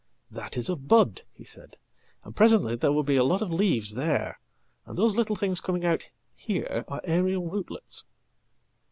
"That is a bud," he said, "and presently there will be a lot of leavesthere, and those little things coming out here are aerial rootlets.""